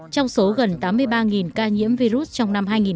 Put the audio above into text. trong số gần tám mươi ba ca nhiễm virus trong năm hai nghìn một mươi tám tại châu âu